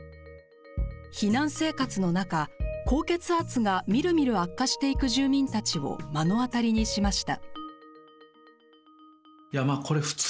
避難生活の中、高血圧がみるみる悪化していく住民たちを目の当たりにしました。